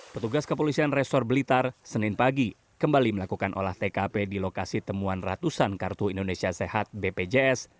petugas kepolisian resor blitar senin pagi kembali melakukan olah tkp di lokasi temuan ratusan kartu indonesia sehat bpjs